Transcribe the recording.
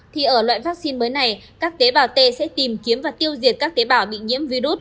thì ở loại vaccine mới này các tế bào t sẽ tìm kiếm và tiêu diệt các tế bào bị nhiễm virus